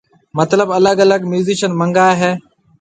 مطلب الگ الگ ميوزيشن منگاوي ھيَََ